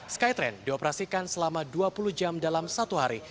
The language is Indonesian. skytrain dioperasikan selama dua puluh jam dalam satu hari